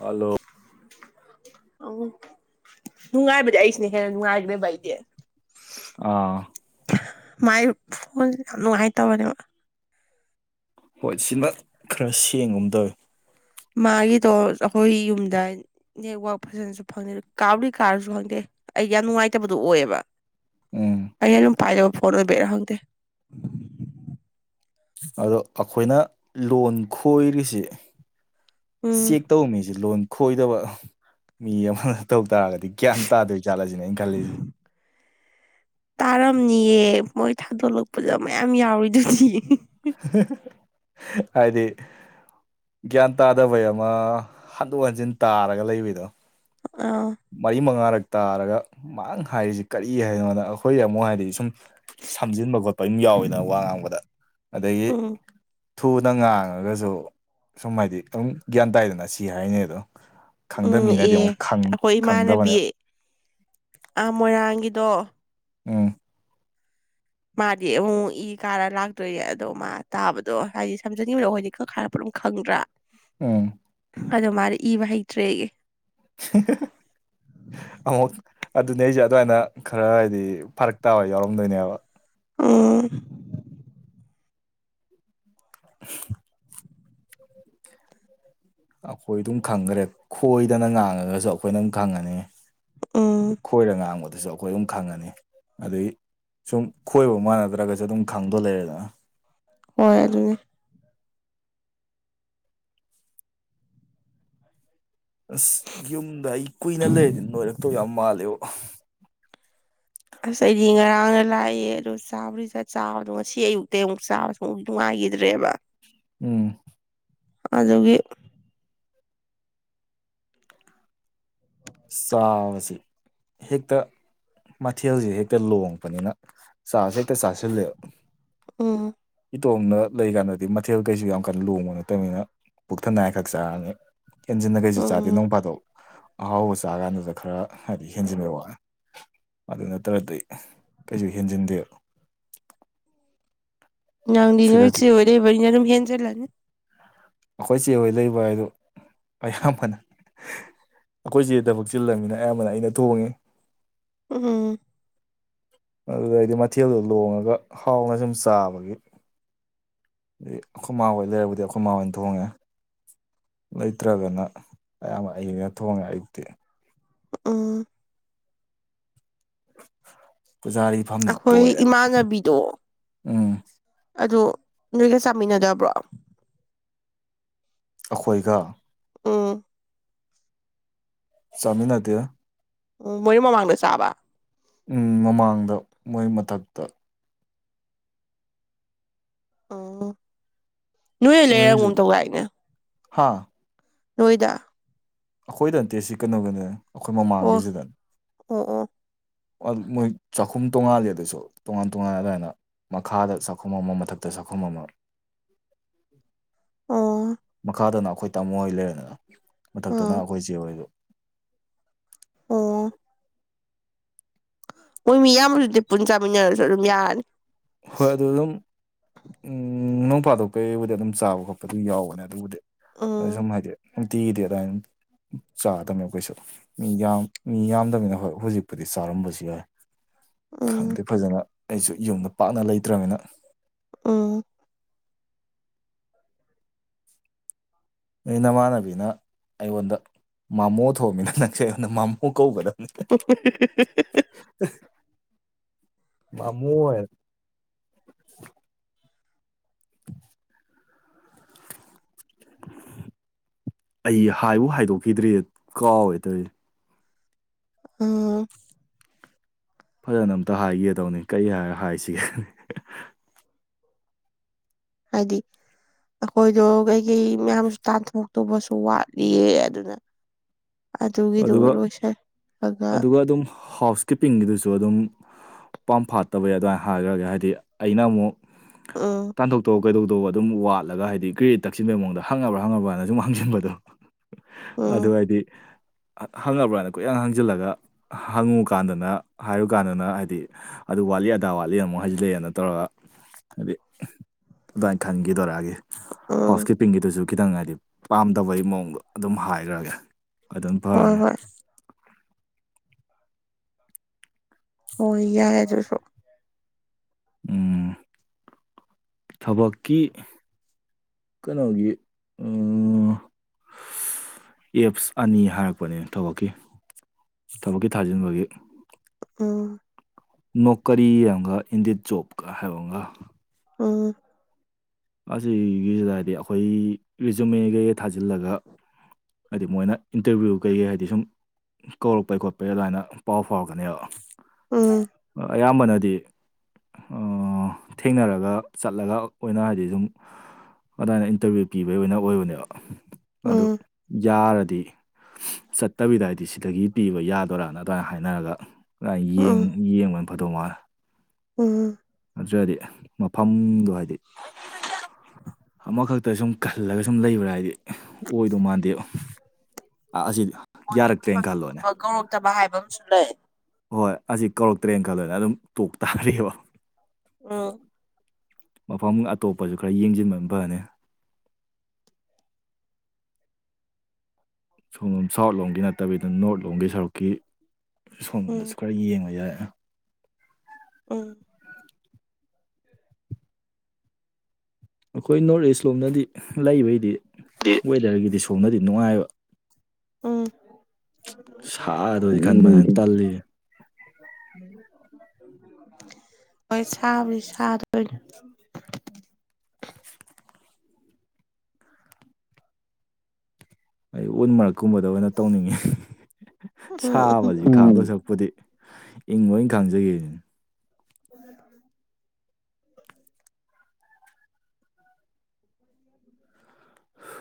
hello ꯑ ꯅꯨꯡꯉꯥꯏꯕꯗꯤ ꯑꯩꯁꯤꯅ ꯍꯦꯟꯅ ꯅꯨꯡꯉꯥꯏꯈ꯭ꯔꯦ ꯚ ꯑꯩꯗꯤ ꯑꯥ ꯃꯥꯏ ꯐꯣꯟꯣꯟ ꯌꯥꯝ ꯅꯨꯡꯉꯥꯏ ꯇꯕꯅꯦꯕ ꯍꯣꯏ ꯁꯤꯃ ꯈꯔ ꯁꯦꯡꯒꯨꯝ ꯇꯣꯏ ꯃꯥꯒꯤꯗꯣ ꯑꯩꯈꯣꯏ ꯌꯨꯝꯗ ꯅꯦꯠꯋꯥꯛ ꯐꯖꯅꯁꯨ ꯐꯪꯗꯦ ꯀꯥꯕꯨꯗꯤ ꯀꯥꯔꯁꯨ ꯈꯪꯗꯦ ꯑꯩ ꯌꯥꯝ ꯅꯨꯡꯉꯥꯏꯇꯕꯗꯨꯣ ꯑꯣꯏꯑꯕ ꯎ ꯑꯩ ꯑꯗꯨꯝ ꯄꯥꯏꯖꯕ ꯐꯣꯟꯕꯔ ꯍꯪꯗ ꯑꯗꯣ ꯑꯩꯈꯣꯏꯅ ꯂꯣꯟ ꯈꯣꯏꯔꯤꯁꯤ ꯎꯝ ꯆꯦꯛ ꯇꯧ ꯃꯤꯁꯦ ꯂꯣꯟ ꯈꯣꯏꯗꯕ ꯃꯤ ꯑꯃ ꯇꯧ ꯇꯥꯔꯒꯗꯤ ꯑ ꯒ꯭ꯌꯥꯟ ꯇꯥꯗꯣꯏ ꯆꯥꯠꯂꯁꯤꯅꯦ ꯑꯩꯅ ꯈꯜꯂꯤꯁꯦ ꯇꯥꯔꯝꯅꯤꯌꯦ ꯃꯣꯏ ꯊꯥꯗꯣꯛꯂꯛꯄꯗ ꯃꯌꯥꯝ ꯌꯥꯎꯔꯤꯗꯨꯗꯤ ꯑꯗꯤ [unintelligible] [inaudible] ꯒ꯭ꯌꯥꯟ ꯇꯥꯗꯕꯩ ꯑꯃ ꯍꯟꯗꯣꯛ ꯍꯟꯖꯤꯟ ꯇꯥꯔꯒ ꯂꯩꯕꯗꯣ ꯑꯥ ꯃꯔꯤ ꯃꯉꯥꯔꯛ ꯇꯥꯔꯒ ꯃꯥꯡ ꯍꯥꯏꯔꯤꯁꯤ ꯀꯔꯤ ꯍꯥꯏꯅꯣꯗ ꯑꯩꯈꯣꯏ ꯑꯃꯨꯛ ꯍꯥꯏꯗꯤ ꯁꯨꯝ ꯁꯝꯖꯤꯟꯕ ꯈꯣꯠꯄ ꯑꯗꯨꯝ ꯌꯥꯎꯋꯤꯗꯅ ꯋꯥ ꯉꯥꯡꯕꯗ ꯑꯗꯒꯤ ꯎꯝ ꯊꯨꯅ ꯉꯥꯡꯉꯒꯁꯨ ꯁꯨꯝ ꯍꯥꯏꯗꯤ ꯑꯗꯨꯝ ꯒ꯭ꯌꯥꯟ ꯇꯥꯏꯗꯅ ꯁꯤ ꯍꯥꯏꯅꯤ ꯑꯗꯣ ꯈꯪꯗꯕ ꯎꯝ ꯃꯤꯅꯗꯤ ꯑꯦ ꯑꯃꯨꯛꯪ ꯑꯩꯈꯣꯏ ꯏꯃꯥꯟꯅꯕꯤ ꯑꯥ ꯃꯣꯏꯔꯥꯡꯒꯤꯗꯣ ꯑꯥ ꯃꯥꯗꯤ ꯑꯃꯨꯛ ꯏ ꯀꯥꯔ ꯂꯥꯛꯇꯣꯏꯅꯦ ꯑꯗꯣ ꯃꯥ ꯇꯥꯕꯗꯣ ꯍꯥꯏꯗꯤ ꯁꯝꯖꯅꯤꯡꯕꯣ ꯑꯩꯏꯗꯤ ꯀꯛꯔꯛꯄ ꯈꯪꯗ꯭ꯔꯥ ꯎꯝ ꯑꯗꯣ ꯃꯥꯗꯤ ꯏꯕ ꯍꯩꯇ꯭ꯔꯦꯌꯦ ꯑꯃꯨꯛ ꯑꯗꯨꯅꯦ ꯑꯩꯖꯤ ꯑꯗꯨꯃꯥꯏꯅ ꯈꯔ ꯍꯥꯏꯗꯤ ꯐꯔꯛ ꯇꯥꯕ ꯌꯥꯎꯔꯝꯗꯣꯏꯅꯦꯕ ꯎꯝ [unintelligible] ꯑꯈꯣꯏ ꯗꯨꯝ ꯈꯪꯒꯔꯦ ꯈꯣꯏꯗꯅ ꯉꯥꯡꯉꯒꯁꯨ ꯑꯈꯣꯏꯅ ꯎꯝ ꯈꯪꯉꯅꯤ ꯎꯝ ꯈꯣꯏꯔ ꯉꯥꯡꯕꯗꯨꯁꯨ ꯑꯈꯣꯏ ꯑꯗꯨꯝ ꯈꯪꯉꯅꯤ ꯑꯗꯩꯩ ꯁꯨꯝ ꯈꯣꯏꯕ ꯃꯥꯟꯅꯗ꯭ꯔꯒꯁꯨ ꯑꯗꯨꯝ ꯈꯪꯗꯣ ꯂꯩꯔꯦꯗꯅ ꯍꯣꯏ ꯑꯗꯨꯅꯤ ꯑꯁ ꯌꯨꯝꯗ ꯑꯩ ꯀꯨꯏꯅ ꯂꯩꯔꯗꯤ ꯅꯣꯏꯔꯛꯇꯣ ꯌꯥꯝ ꯃꯥꯜꯂꯦꯕꯣ ꯑꯁ ꯑꯩꯗꯤ ꯉꯔꯥꯡꯅ ꯂꯥꯛꯏ ꯑꯗꯨ ꯆꯥꯕꯔꯨꯏꯗꯤ ꯆꯥꯏ ꯆꯥꯕꯗꯣ ꯉꯁꯤ ꯑꯌꯨꯛꯇꯩ ꯑꯃꯨꯛ ꯆꯥꯕꯁꯨ ꯑꯃꯨꯛ ꯅꯨꯡꯉꯥꯏ ꯏꯗ꯭ꯔꯦꯕ ꯎꯝ ꯑꯗꯨꯒꯤ ꯆꯥꯕꯁꯤ ꯍꯦꯛꯇ ꯃꯊꯦꯜꯖꯦ ꯍꯦꯛꯇ ꯂꯣꯡꯄꯅꯤꯅ ꯆꯥꯕꯁꯦ ꯍꯦꯛꯇ ꯆꯥꯁꯤꯜꯂꯦꯕ ꯎꯝ ꯇꯣꯡꯅ ꯂꯩꯒꯥꯟꯗꯗꯤ ꯃꯊꯦꯜ ꯀꯩꯁꯨ ꯌꯥꯝ ꯀꯟꯅ ꯂꯣꯡꯕ ꯅꯠꯇꯝꯃꯤꯅ ꯄꯨꯛ ꯊꯟꯅꯉꯥꯏ ꯈꯛ ꯆꯥꯝꯅꯤꯅ ꯍꯦꯟꯖꯤꯟꯅ ꯀꯩꯁꯨ ꯆꯥꯗꯦ ꯎꯝ ꯅꯣꯡꯐꯥꯊꯣꯛ ꯑꯍꯥꯎꯕꯁꯨ ꯇꯥ ꯒꯥꯟꯗꯨꯗ ꯈꯔ ꯍꯥꯏꯗꯤ ꯍꯦꯟꯖꯤꯟꯕꯩ ꯋꯥꯅꯤ ꯑꯗꯨ ꯅꯠꯇ꯭ꯔꯗꯤ ꯀꯩꯁꯨ ꯍꯦꯟꯖꯤꯟꯗꯦꯕ ꯅꯪꯗꯤ ꯁꯤꯗꯗꯤ ꯅꯣꯏꯆꯦ ꯍꯣꯏ ꯂꯩꯕꯅꯤꯅ ꯑꯗꯨꯝ ꯍꯦꯟꯖꯤꯜꯂꯅꯤ ꯑꯈꯣꯏ ꯆꯦ ꯍꯣꯏ ꯂꯩꯕ ꯍꯥꯏꯗꯨ ꯑꯌꯥꯝꯕꯅ ꯑꯈꯣꯏꯆꯦ ꯊꯕꯛ ꯆꯤꯜꯂꯝꯅꯤꯅ ꯑꯌꯥꯝꯕꯅ ꯑꯩꯅ ꯊꯣꯡꯉꯤ ꯎꯝ ꯑꯗꯨꯗꯩꯗꯤ ꯃꯊꯦꯜꯗꯣ ꯂꯣꯡꯉꯒ ꯍꯥꯎꯅ ꯁꯨꯝ ꯆꯥꯕꯒꯤ ꯗꯩ ꯑꯈꯣꯏ ꯃꯥꯥ ꯍꯣꯏ ꯂꯩꯔꯕꯨꯗꯤ ꯑꯈꯣꯏ ꯃꯥꯥ ꯍꯣꯏꯟ ꯊꯣꯡꯉꯦ ꯂꯩꯇ꯭ꯔꯒꯅ ꯑꯌꯥꯝꯕ ꯑꯩꯅ ꯊꯣꯡꯉꯦ ꯑꯩꯌꯨꯛꯇꯤ ꯎꯝ ꯄꯨꯖꯥꯔꯤ ꯐꯝꯁꯤ ꯑꯈꯣꯏ ꯇꯣꯏꯔꯦ ꯏꯃꯥꯟꯅꯕꯤꯗꯣ ꯎꯝ ꯑꯗꯣ ꯅꯣꯏꯒ ꯆꯥꯃꯤꯅꯗꯕ꯭ꯔꯣ ꯑꯈꯣꯏꯒ ꯎꯝ ꯆꯥꯃꯤꯟꯅꯗꯦ ꯎꯝ ꯃꯣꯏ ꯃꯃꯥꯡꯗ ꯆꯥꯕ ꯎꯝ ꯃꯃꯥꯡꯗ ꯃꯣꯏ ꯃꯊꯛꯇ ꯑꯣ ꯅꯣꯏꯔ ꯂꯩꯔꯝꯒꯨꯝ ꯇꯧꯗꯥꯏꯅꯦ ꯍꯥꯥ ꯅꯣꯏꯗ ꯑꯈꯣꯏꯗ ꯅꯠꯇꯦ ꯁꯤ ꯀꯩꯅꯣꯒꯤꯅꯦ ꯑꯈꯣꯏ ꯃꯃꯥꯡꯒꯤꯁꯤꯗ ꯑꯣ ꯑꯣ ꯑꯜ ꯃꯣꯏ ꯆꯥꯛꯈꯨꯝ ꯇꯣꯉꯥꯂꯤ ꯑꯗꯨꯁꯨ ꯇꯣꯉꯥꯟ ꯇꯣꯉꯥꯟ ꯑꯗꯨꯃꯥꯏꯅ ꯃꯈꯥꯗ ꯆꯥꯛꯈꯨꯝ ꯑꯃ ꯃꯊꯛꯇ ꯆꯥꯛꯈꯨꯝ ꯑꯃ ꯑꯣ ꯃꯈꯥꯗꯅ ꯑꯈꯣꯏ ꯇꯥꯃꯣ ꯍꯣꯏ ꯂꯩꯔꯦꯗꯅ ꯑꯣ ꯃꯊꯛꯇꯅ ꯑꯣ ꯑꯈꯣꯏ ꯆꯦꯍꯣꯏꯗꯣ ꯑꯣ ꯃꯣꯏ ꯃꯤꯌꯥꯝꯕꯗꯨꯗꯤ ꯄꯨꯟ ꯆꯥꯃꯤꯟꯅꯔꯁꯨ ꯑꯗꯨꯝ ꯌꯥꯔꯅꯤ ꯍꯣꯏ ꯑꯗꯨ ꯑꯗꯨꯝ ꯎꯝ ꯅꯣꯡ ꯐ ꯄꯥꯗꯣꯛ ꯀꯩꯕꯨꯗꯤ ꯑꯗꯨꯝ ꯆꯥꯕ ꯈꯣꯠꯄꯗꯨ ꯌꯥꯎꯕꯅꯦ ꯑꯗꯨꯕꯨꯗꯤ ꯎꯝ ꯑꯁꯨꯝ ꯍꯥꯏꯗꯤ ꯅꯨꯡꯇꯤꯒꯤꯗꯤ ꯑꯗꯨꯃꯥꯏꯟ ꯆꯥꯗꯝꯃꯦ ꯑꯈꯣꯏꯁꯨ ꯃꯤ ꯌꯥꯝ ꯃꯤ ꯌꯥꯝꯗꯝꯅꯤꯅ ꯍꯣꯏ ꯍꯧꯖꯤꯛꯄꯨꯗꯤ ꯆꯥꯔꯝꯕꯁꯨ ꯌꯥꯏ ꯎꯝ ꯈꯪꯗꯦ ꯐꯖꯅ ꯑꯩꯁꯨ ꯌꯨꯝꯗ ꯄꯥꯛꯅ ꯂꯩꯇ꯭ꯔꯃꯤꯅ ꯎꯝ ꯅꯩ ꯅꯃꯥꯟꯅꯕꯤꯅ ꯑꯩꯉꯣꯟꯗ ꯃꯥꯃꯣ ꯊꯣꯛꯑꯃꯤꯅ ꯅꯪꯁꯦ ꯑꯩꯉꯣꯟꯗ ꯃꯥꯃꯣ ꯀꯧꯒꯗꯝ ꯃꯃꯨ ꯑꯣꯏꯣꯏ [inaudible] ꯑꯩ ꯍꯥꯏꯕꯨ ꯍꯥꯏꯗꯣꯛꯈꯤꯗ꯭ꯔꯦ ꯀꯥꯎꯋꯦ ꯇ ꯑ ꯐꯖꯅ ꯑꯝꯇ ꯍꯥꯏꯒꯦꯗꯧꯅꯤ ꯀꯔꯤ ꯍꯥꯏꯔ ꯍꯥꯏꯁꯤꯒꯦ ꯍꯥꯏꯗꯤ ꯑꯩꯈꯣꯏꯗꯣ ꯀꯩꯀꯩ ꯃꯌꯥꯝꯁꯨ ꯇꯥꯟꯊꯣꯛꯇꯧꯕꯁꯨ ꯋꯥꯠꯂꯤꯌꯦ ꯑꯗꯨꯅ ꯑꯗꯨꯒꯤꯗꯨꯣ ꯑꯗꯨꯒ ꯂꯣꯏꯁꯤꯜꯂꯒ ꯑꯗꯨꯒ ꯑꯗꯨꯝ ꯍꯥꯎꯁ ꯀꯤꯞꯄꯤꯡꯒꯤꯗꯨꯁꯨ ꯑꯗꯨꯝ ꯄꯝꯐꯥꯠꯇꯕ ꯌꯥꯏ ꯑꯗꯨꯃꯥꯏꯅ ꯍꯥꯏꯈ꯭ꯔꯒ ꯍꯥꯏꯗꯤ ꯑꯩꯅ ꯑꯃꯨꯛ ꯎꯝ ꯇꯥꯟꯊꯣꯛ ꯇꯣꯛ ꯀꯩꯗꯧꯗꯧꯕ ꯑꯗꯨꯝ ꯋꯥꯠꯂꯒ ꯍꯥꯏꯗꯤ ꯀ꯭ꯔꯔꯤꯠ ꯇꯛꯁꯤꯟꯕꯩ ꯃꯑꯣꯡꯗ ꯍꯪꯉꯕ꯭ꯔꯥ ꯍꯪꯉꯕ꯭ꯔꯥꯅ ꯁꯨꯝ ꯍꯥꯡꯁꯤꯟꯕꯗꯣ ꯎꯝ ꯑꯗꯨ ꯍꯥꯏꯗꯤ ꯍꯪꯉꯕ꯭ꯔꯥꯅ ꯀꯨꯌꯥꯪ ꯍꯪꯖꯤꯜꯂꯒ ꯍꯪꯉꯨꯀꯥꯟꯗꯅ ꯍꯥꯏꯔꯨꯀꯥꯟꯗꯅ ꯍꯥꯏꯗꯤ ꯑꯗꯨ ꯋꯥꯠꯂꯤ ꯑꯗꯥ ꯋꯥꯠꯂꯤꯅ ꯑꯃꯨꯛ ꯍꯥꯏꯖꯤꯜꯂꯛꯑꯦꯅ ꯇꯧꯔꯒ ꯍꯥꯏꯗꯤ ꯑꯗꯨꯃꯥꯏꯅ ꯈꯟꯈꯤꯦꯗꯧꯔꯛꯑꯒꯦ ꯍꯥꯎꯁ ꯎꯝ ꯀꯤꯞꯄꯤꯡꯒꯤꯗꯨꯁꯨ ꯈꯤꯇꯪ ꯍꯥꯏꯗꯤ ꯄꯥꯝꯗꯕꯒꯤ ꯃꯑꯣꯡꯗꯣ ꯑꯗꯨꯝ ꯍꯥꯏꯈ꯭ꯔꯒꯦ ꯑꯗꯨꯝ ꯍꯣꯏ ꯐꯔꯅꯤ ꯍꯣꯏ ꯍꯣꯏ ꯏ ꯌꯥ ꯌꯥꯖꯁꯣ ꯎꯝ ꯊꯕꯀꯤ ꯀꯩꯅꯣꯒꯤ ꯎ ꯑꯦꯞꯁ ꯑꯅꯤ ꯍꯥꯏꯔꯛꯄꯅꯦ ꯊꯕꯛꯀꯤ ꯊꯕꯛꯀꯤ ꯊꯥꯖꯤꯟꯕꯒꯤ ꯑ ꯅꯣꯀꯔꯤ ꯑꯃ ꯑꯃꯒ ꯏꯟꯗꯤꯠ ꯖꯣꯕꯀ ꯍꯥꯏꯕ ꯑꯃꯒ ꯎꯝ ꯑꯁꯤꯒꯤꯁꯤꯗ ꯍꯥꯏꯗꯤ ꯑꯩꯈꯣꯏ ꯔꯤꯖꯨꯃꯦꯒꯩꯒ ꯊꯥꯖꯤꯜꯂꯒ ꯍꯥꯏꯗꯤ ꯃꯣꯏꯅ ꯏꯟꯇꯔꯚꯤꯌꯨ ꯀꯩꯀꯩ ꯍꯥꯏꯗꯤ ꯁꯨꯝ ꯀꯧꯔꯛꯄꯩ ꯈꯣꯠꯄꯩ ꯑꯗꯨꯃꯥꯏꯅ ꯄꯥꯎ ꯐꯥꯎꯔꯛꯀꯅꯦꯕ ꯎꯝ ꯑꯌꯥꯝꯕꯅꯗꯤ ꯊꯦꯡꯅꯔꯒ ꯆꯠꯂꯒ ꯑꯣꯏꯅ ꯍꯥꯏꯗꯤ ꯑꯗꯨꯨꯝ ꯑꯗꯨꯃꯏꯅ ꯏꯟꯇꯔꯚꯤꯌꯨ ꯄꯤꯕꯒꯤ ꯑꯣꯏꯅ ꯑꯣꯏꯕꯅꯦꯕ ꯑꯗꯨ ꯎꯝ ꯌꯥꯔꯗꯤ ꯆꯠꯇꯕꯤꯗꯏꯗꯤ ꯁꯤꯗꯒꯤ ꯄꯤꯕ ꯌꯥꯗꯣꯏꯔꯥꯅ ꯑꯗꯨꯃꯥꯏꯅ ꯍꯥꯏꯅꯔꯒꯥꯏ ꯌꯦ ꯎꯝ ꯌꯦꯡꯕꯅ ꯐꯗꯧ ꯃꯥꯜꯂꯦ ꯎꯝ ꯎꯝ ꯑꯗꯨꯗꯤ ꯃꯐꯝꯗꯣ ꯍꯥꯏꯗꯤ ꯑꯃꯈꯛꯇ ꯁꯨꯝ ꯈꯜꯂꯒ ꯁꯨꯝ ꯂꯩꯕ꯭ꯔꯥ ꯍꯥꯏꯗꯤ ꯑꯣꯏꯗꯧ ꯃꯥꯟꯗꯦ ꯑꯁꯤꯗꯤ ꯍꯣꯏꯅ ꯄꯥꯊꯒꯤ ꯊꯕꯛ ꯧꯔꯛꯇꯕ ꯍꯥꯏꯕ ꯑꯃꯁꯨ ꯂꯩ ꯍꯣꯏ ꯑꯁꯤ ꯀꯧꯔꯛꯇ꯭ꯔꯦꯅ ꯈꯜꯂꯣꯏꯅꯦ ꯑꯗꯨꯝ ꯇꯣꯛ ꯇꯥꯔꯤꯑꯕ ꯎꯝ ꯃꯐꯝ ꯑꯇꯣꯞꯄꯁꯨ ꯈꯔ ꯌꯦꯡꯁꯤꯟꯕ ꯑꯃ ꯐꯅꯤ ꯁꯣꯂꯣꯝ ꯁꯥꯎꯠ ꯂꯣꯝꯒꯤ ꯅꯠꯇꯕꯤꯗ ꯅꯣꯔꯠ ꯂꯣꯝꯒꯤ ꯁꯔꯨꯛꯀꯤ ꯎꯝ ꯁꯣꯝꯗꯁꯨ ꯈꯔ ꯌꯦꯡꯕ ꯌꯥꯏꯥ ꯎꯝ ꯑꯩꯈꯣꯏ ꯅꯣꯔꯠ ꯏꯁ ꯂꯣꯝꯗꯗꯤ ꯂꯩꯕꯒꯤꯗꯤ ꯋꯦꯗꯔꯒꯤꯗꯤ ꯁꯣꯝꯅꯗꯤ ꯅꯨꯡꯉꯥꯏꯕ ꯎꯝ ꯁꯥꯗꯣꯏꯗꯤ ꯈꯟꯕꯅꯤꯅ ꯇꯜꯂꯤ ꯑꯩꯣꯏ ꯁꯕ ꯁꯥꯗ [inaudible] ꯑꯩ ꯎꯟ ꯃꯔꯛꯀꯨꯝꯕꯗ ꯑꯣꯏꯅ ꯇꯧꯅꯤꯡꯉꯤ ꯎꯝ ꯁꯥꯕꯁꯤ ꯎꯝ ꯈꯥꯡꯒ ꯁꯛꯄꯨꯗꯤ ꯏꯪ ꯂꯣꯏ ꯈꯥꯡꯖꯒꯦ ꯑꯣ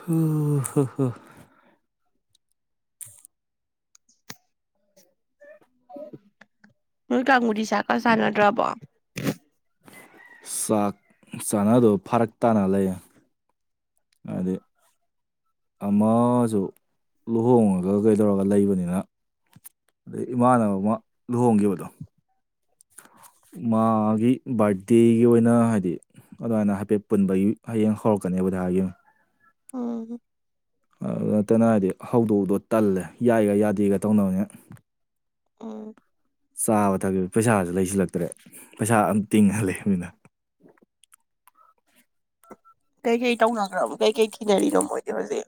ꯍꯣꯏ ꯍꯣ ꯍꯣ ꯅꯣꯏ ꯀꯥꯡꯕꯨꯗꯤ ꯁꯥꯀ ꯁꯥꯟꯅꯗ꯭ꯔꯕꯣ ꯆꯥꯛ ꯆꯥꯅꯗꯨꯣ ꯐꯔꯛ ꯇꯥꯅ ꯂꯩ ꯑꯗ ꯑꯃꯁꯨ ꯂꯨꯍꯣꯡꯉꯒ ꯀꯩꯗꯧꯔꯒ ꯂꯩꯕꯅꯤꯅ ꯑꯗꯩ ꯏꯃꯥꯅꯕ ꯑꯃ ꯂꯨꯍꯣꯡꯈꯤꯕꯗꯣ ꯃꯥꯒꯤ ꯕꯥꯔꯗꯦꯒꯤ ꯑꯣꯏꯅ ꯍꯥꯏꯗꯤ ꯑꯗꯨꯃꯥꯏꯅ ꯍꯥꯏꯐꯦꯠ ꯄꯨꯟꯕꯒꯤ ꯍꯌꯦꯡ ꯍꯧꯔꯛꯀꯅꯦꯕ ꯀꯗꯥ ꯑꯣ ꯑꯗꯨ ꯅꯠꯇꯅ ꯍꯥꯏꯗꯤ ꯍꯧꯗꯣꯛꯗꯣ ꯇꯜꯂꯦ ꯌꯥꯏꯒ ꯌꯥꯗꯦꯒ ꯇꯧꯅꯕꯅꯦ ꯑ ꯆꯥꯕ ꯊꯛꯄ ꯄꯩꯁꯥꯁꯨ ꯂꯩꯁꯤꯜꯂꯛꯇ꯭ꯔꯦ ꯄꯩꯁꯥ ꯑꯝ ꯇꯤꯡꯍꯜꯂꯕ ꯃꯤꯅ ꯀꯩꯀꯩ ꯇꯧꯅꯈ꯭ꯔꯕ ꯀꯩꯀꯩ ꯊꯤꯅꯔꯤꯅꯣ ꯃꯣꯏꯗꯤ ꯍꯧꯖꯤꯛ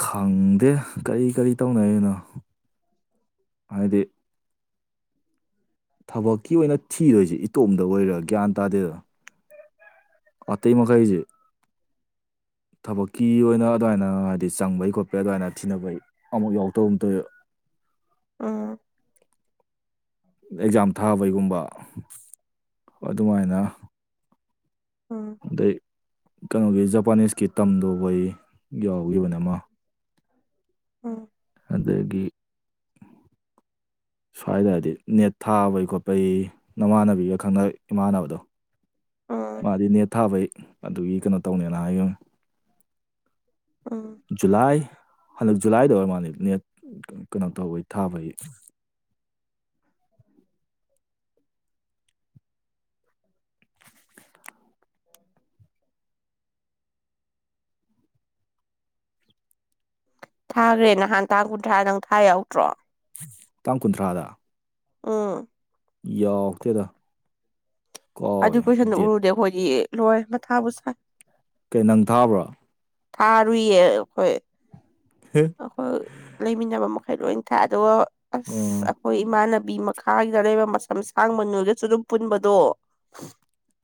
ꯈꯪꯗꯦ ꯀꯔꯤ ꯀꯔꯤ ꯇꯧꯅꯩ ꯑꯩꯅꯣ ꯍꯥꯏꯗꯤ ꯊꯕꯛꯀꯤ ꯑꯣꯏꯅ ꯊꯤꯗꯣꯏꯁꯤꯦ ꯏꯇꯣꯝꯗ ꯑꯣꯏꯔꯥ ꯒ꯭ꯌꯥꯟ ꯇꯥꯗꯦꯗ ꯑꯇꯩ ꯃꯈ ꯀ ꯑꯩꯖꯦ ꯊꯕꯛꯀꯤ ꯑꯣꯏꯅ ꯑꯗꯨꯃꯥꯏꯅ ꯍꯥꯏꯗꯤ ꯆꯪꯕꯩ ꯈꯣꯠꯄꯩ ꯑꯗꯨꯃꯥꯏꯅ ꯊꯤꯅꯕꯩ ꯑꯃꯨꯛ ꯌꯥꯎꯗꯕ ꯑꯃ ꯇꯧꯋ [inaudible] ꯑ ꯑꯦꯛꯖꯥꯝ ꯊꯥꯕꯩꯒꯨꯝꯕ ꯑꯗꯨꯃꯥꯏꯅ ꯑꯥ ꯑꯗꯩ ꯀꯩꯅꯣꯒꯤ ꯖꯄꯥꯅꯤꯁꯀꯤ ꯇꯝꯗꯨꯕꯩ ꯌꯥꯎꯈꯤꯕꯅꯦ ꯑꯃ ꯎꯝ ꯑꯗꯒꯤ ꯁ꯭ꯋꯥꯏꯗꯗꯤ ꯅꯦꯠ ꯊꯥꯕꯩ ꯈꯣꯠꯄꯒꯤ ꯅꯃꯥꯟꯅꯕꯤꯒ ꯈꯪꯅ ꯏꯃꯥꯟꯅꯕꯗꯣ ꯎꯝ ꯃꯥꯗꯤ ꯅꯦꯠ ꯊꯥꯕꯩ ꯑꯗꯨꯒꯤ ꯀꯩꯅꯣ ꯇꯧꯅꯦꯅ ꯍꯥꯏꯒꯅꯤ ꯎꯝ ꯖꯨꯂꯥꯏ ꯍꯟꯗꯛ ꯖꯨꯂꯥꯏꯗ ꯑꯣꯏꯔ ꯃꯥꯜꯜꯂꯤ ꯅꯦꯠ ꯀꯩꯅꯣ ꯇꯧꯕꯩ ꯊꯥꯕꯩ [inaudible] [inaudible] ꯊꯥꯈ꯭ꯔꯦ ꯅꯍꯥꯟ ꯇꯥꯡ ꯀꯨꯟꯊ꯭ꯔꯥ ꯅꯪ ꯊꯥ ꯌꯥꯎꯗ꯭ꯔꯣ ꯇꯥꯡ ꯀꯨꯟꯊ꯭ꯔꯥꯗ ꯑꯝ ꯌꯥꯎꯛꯇꯦꯗ ꯑꯗꯨ ꯀꯣꯏꯁꯟꯗ ꯎꯔꯨꯗꯦ ꯑꯩꯈꯣꯏꯗꯤ ꯂꯣꯏ ꯃꯊꯥꯕꯨ ꯁꯥꯏ ꯀꯩ ꯅꯪ ꯊꯥꯕ꯭ꯔꯥ ꯊꯥꯔꯨꯏꯌꯦ ꯍꯈꯣꯏ ꯍꯦ ꯑꯩꯈꯣꯏ ꯂꯩꯃꯤꯟꯅꯕ ꯃꯈꯩ ꯂꯣꯏ ꯊꯥꯏ ꯑꯗꯨꯒ ꯑꯁ ꯑꯣ ꯑꯩꯈꯣꯏ ꯏꯃꯥꯟꯅꯕ ꯆꯥꯕꯤ ꯃꯈꯥꯒꯤꯗ ꯂꯩꯕ ꯃꯆ ꯁꯥꯡꯕꯅꯣꯏꯒꯁꯨ ꯑꯗꯨꯝ ꯄꯨꯟꯕꯗꯣ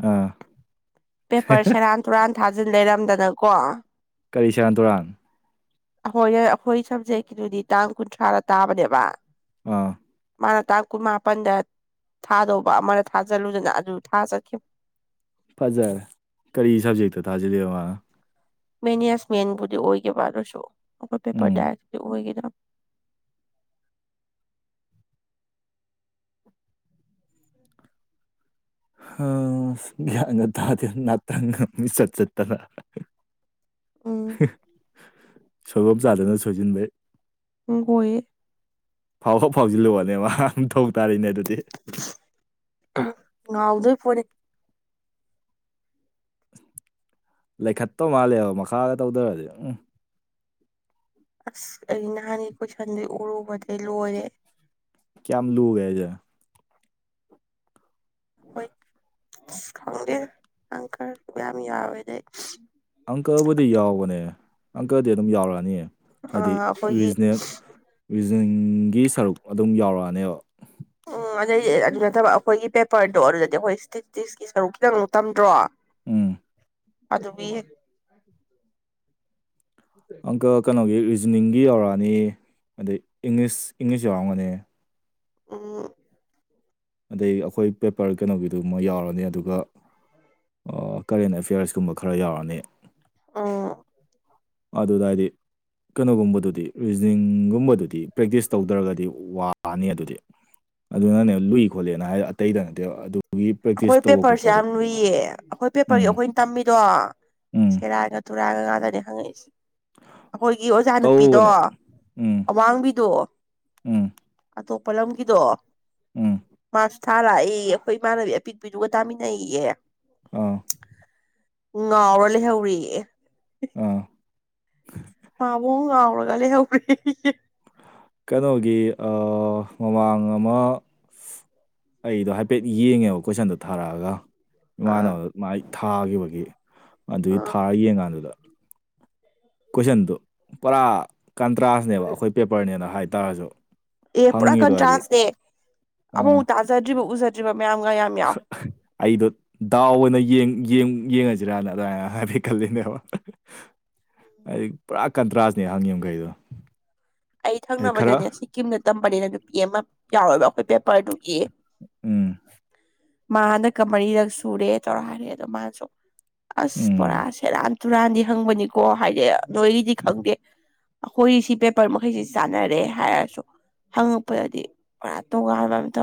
ꯑꯥ ꯄꯦꯄꯔ ꯁꯦꯔꯥꯟ ꯇꯨꯔꯥꯟ ꯊꯥꯖꯤꯟ ꯂꯩꯔꯝꯗꯅꯀꯣ ꯀꯔꯤ ꯁꯔꯥꯟ ꯇꯨꯔꯥꯟ ꯑꯩꯈꯣꯏ ꯑꯩꯈꯣꯏ ꯁꯕꯖꯦꯛꯀꯤꯗꯨꯗꯤ ꯇꯥꯡ ꯀꯨꯟꯊ꯭ꯔꯥꯗ ꯇꯥꯕꯅꯦꯕ ꯑꯥ ꯃꯥꯅ ꯇꯥꯡ ꯀꯨꯟ ꯃꯥꯄꯟꯗ ꯊꯥꯗꯧꯕ ꯑꯃꯗ ꯊꯥꯖꯤꯜꯂꯨꯗꯅ ꯑꯗꯨ ꯊꯥꯖꯠꯈꯤꯕ ꯐꯖꯔꯦ ꯀꯔꯤ ꯁꯕꯖꯦꯛꯇꯣ ꯊꯥꯖꯜꯂꯤꯣ ꯑ ꯃꯦꯅꯤꯌꯥꯁ ꯃꯦꯟꯕꯨꯗꯤ ꯑꯣꯏꯈꯤꯕꯕ ꯑꯗꯨꯁꯨ ꯑꯩꯈꯣꯏ ꯄꯦꯄꯔ ꯎꯝ ꯗꯥꯏꯔꯛꯇ ꯑꯣꯏꯒꯗ ꯑ ꯌꯥ ꯌꯥ ꯇꯥꯗꯅꯥ ꯇꯪ ꯃꯤ ꯆꯠ ꯆꯠꯇꯔ ꯎꯝ ꯁꯣꯏꯒꯣꯞ ꯆꯥꯗꯅ ꯁꯣꯏꯁꯤꯟꯕꯩ ꯣꯏꯋ ꯐꯥꯎ ꯍꯥꯎ ꯐꯥꯎꯁꯤꯜꯂꯨꯕꯅꯦ ꯃꯥ ꯊꯧ ꯉ ꯎꯗ ꯐꯣꯅꯦ ꯂꯩꯈꯠꯇꯧ ꯃꯥꯜꯂꯦꯕ ꯃꯈꯥꯗ ꯇꯧꯗꯔꯗꯤ ꯎꯝ ꯑꯁ ꯑꯩ ꯅꯍꯥꯟꯒꯤ ꯀꯣꯏꯁꯟꯗꯨ ꯎꯔꯨꯕꯗꯒꯤ ꯂꯣꯏꯔꯦ ꯀꯌꯥꯝ ꯂꯨꯒꯦꯖꯦ ꯍꯣꯏ ꯈꯪꯗꯦ ꯑꯪꯀꯔ ꯔꯝ ꯌ ꯑꯣꯏ ꯑꯪꯀꯕꯨꯗꯤ ꯌꯥꯎꯕꯅꯦ ꯑꯪꯀꯗꯤ ꯑꯗꯨꯝ ꯌꯥꯎꯔꯛꯑꯅꯤ ꯑ ꯍꯥꯏꯗꯤ ꯑꯩꯈꯣꯏꯒꯤ ꯔꯤꯖꯅꯦꯜ ꯔꯤꯖꯅꯦꯜꯒꯤ ꯁꯔꯨꯛ ꯑꯗꯨꯝ ꯌꯥꯎꯔꯛꯑꯅꯦꯕ ꯎꯝ ꯑꯗꯨꯗꯩꯗꯤ ꯑꯗꯨ ꯅꯠꯇꯕ ꯑꯩꯈꯣꯏꯒꯤ ꯄꯦꯄꯔꯗꯣ ꯑꯗꯨꯗꯗꯤ ꯑꯩꯈꯣꯏ ꯏꯁꯇꯦꯇꯁꯀꯤ ꯁꯔꯨꯛ ꯈꯤꯇꯪꯨꯛ ꯇꯝꯗ꯭ꯔꯣ ꯎꯝ ꯑꯗꯨ ꯑꯗꯨꯕꯤ ꯑꯣꯀ ꯀꯩꯅꯒꯤ ꯖꯨꯅꯤꯡꯒꯤ ꯌꯧꯔꯛꯑꯅꯤ ꯑꯗꯩ ꯏꯪꯂꯤꯁ ꯏꯪꯂꯤꯁ ꯌꯥꯎꯔꯝꯃꯅꯤ ꯎꯝ ꯑꯗꯩ ꯑꯩꯈꯣꯏ ꯄꯦꯄꯔ ꯀꯩꯅꯣꯒꯤꯗꯨꯃꯣꯏ ꯌꯥꯎꯔꯅꯤ ꯑꯗꯨꯒ ꯀꯔꯦꯟ ꯑꯦꯐꯤꯌꯔꯁꯀꯨꯝꯕ ꯈꯔ ꯌꯥꯎꯔꯅꯤ ꯑꯥ ꯑ ꯑꯗꯨꯗꯗꯗꯤ ꯀꯩꯅꯣꯒꯨꯝꯕꯗꯨꯗꯤ ꯔꯤꯖꯅꯤꯡꯒꯨꯝꯕꯗꯨꯗꯤ ꯄ꯭ꯔꯦꯛꯇꯤꯁ ꯇꯧꯗ꯭ꯔꯒꯗꯤ ꯋꯥꯅꯤ ꯑꯗꯨꯗꯤ ꯑꯗꯨꯅꯅꯦ ꯂꯨꯏ ꯈꯣꯠꯂꯦꯅ ꯍꯥꯏ ꯑꯇꯩꯗ ꯅꯠꯇꯦ ꯑꯩꯈꯣꯏ ꯄꯦꯄꯔꯁꯦ ꯌꯥꯝ ꯂꯨꯏꯌꯦ ꯑꯩꯈꯣꯏ ꯄꯦꯄꯔꯒꯤ ꯎꯝ ꯑꯩꯈꯣꯏꯅ ꯇꯝꯃꯤꯗꯣ ꯎꯝ ꯀꯦꯔꯥꯒ ꯇꯨꯔꯥꯏꯒ ꯉꯥꯗꯅꯤ ꯍꯪꯉꯛꯏꯁꯦ ꯑꯩꯈꯣꯏꯒꯤ ꯑꯣꯖꯥ ꯅꯨꯄꯤꯗꯣ ꯇꯧꯕꯅꯦ ꯎꯝ ꯑꯋꯥꯡꯕꯤꯗꯣ ꯎꯝ ꯑꯇꯣꯞꯄ ꯂꯝꯒꯤꯗꯣ ꯎꯝ ꯊꯥ ꯂꯥꯛꯏ ꯑꯩꯈꯣꯏ ꯏꯃꯥꯟꯅꯕꯤ ꯑꯄꯤꯛꯄꯤꯗꯨꯒ ꯇꯥꯃꯤꯟꯅꯩꯌꯦ ꯑꯥ ꯉꯥꯎꯔ ꯂꯩꯍꯧꯔꯤꯌꯦ ꯑꯥ ꯄꯕꯨꯨꯡꯔ ꯀ ꯂꯩ ꯎ ꯀꯩꯅꯣꯒꯤ ꯃꯃꯥꯡ ꯑꯃ ꯑꯩꯗꯣ ꯍꯥꯏꯐꯦꯠ ꯌꯦꯡꯉꯦꯕ ꯀꯣꯏꯁꯟꯗꯨ ꯊꯥꯔꯛꯑꯒ ꯑꯥ ꯏꯃꯥꯅꯕ ꯃꯥꯏ ꯊꯥꯈꯤꯕꯒꯤ ꯑꯗꯨꯒꯤ ꯑꯥ ꯊꯥꯔ ꯌꯦꯡꯀꯥꯟꯗꯨꯗ ꯀ꯭ꯆꯟꯗꯨ ꯄꯨꯔ ꯀꯟꯇ꯭ꯔꯥꯁꯅꯦꯕ ꯑꯩꯈꯣꯏ ꯄꯦꯄꯔꯅꯦꯅ ꯍꯥꯏꯇꯥꯔꯁꯨ ꯍꯪꯉꯤꯗꯣ ꯍꯥꯏꯗꯤ ꯑꯥ ꯑꯃ ꯇꯥꯖꯥꯗ ꯎꯖꯥ ꯑꯩꯗꯣ ꯗꯥꯎꯅꯡ ꯌꯦꯡꯉꯁꯤꯔꯥꯅ ꯑꯗꯨꯃꯥꯏꯅ ꯍꯥꯏꯗꯤ ꯈꯜꯂꯤꯅꯦꯕ ꯑꯩꯗꯤ ꯄꯨꯔꯥ ꯀꯟꯇ꯭ꯔꯥꯁꯅꯦ ꯍꯪꯉꯤꯝꯈꯩꯗꯣ ꯑꯩ ꯊꯪꯅꯕꯗꯅꯦ ꯁꯤꯀꯤꯝꯗ ꯇꯝꯕꯅꯤꯅ ꯅꯨꯄꯤ ꯑꯃ ꯌꯥꯎꯋꯦꯕ ꯑꯩꯈꯣꯏ ꯄꯦꯄꯔꯗꯨꯒꯤ ꯎꯝ ꯃꯥ ꯍꯟꯗꯛꯀ ꯃꯔꯤꯔꯛ ꯁꯨꯔꯦ ꯇꯧꯔ ꯍꯥꯏꯔꯦ ꯑꯗꯣ ꯃꯥꯁꯨ ꯑꯁ ꯎꯝ ꯣꯔꯥ ꯁꯦꯔ ꯇꯨꯔꯥꯟꯗꯤ ꯍꯪꯕꯅꯤꯀꯣ ꯍꯥꯏꯗꯤ ꯅꯣꯏꯒꯤꯗꯤ ꯈꯪꯗꯦ ꯑꯩꯈꯣꯏ ꯁꯤ ꯄꯦꯄꯔ ꯃꯈꯩꯁꯤ ꯆꯥꯟꯅꯔꯦ ꯍꯥꯏꯔꯁꯨ ꯍꯪꯉꯛꯄꯗꯗꯤ ꯄꯨ ꯇꯣꯉꯥꯟꯕ ꯑꯃ ꯇꯧꯔ